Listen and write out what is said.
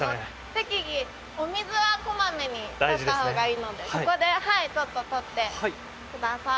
適宜お水はこまめにとった方がいいのでここではいちょっととってください。